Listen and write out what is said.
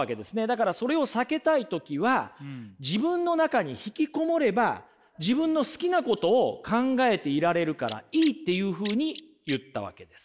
だからそれを避けたい時は自分の中に引きこもれば自分の好きなことを考えていられるからいいっていうふうに言ったわけです。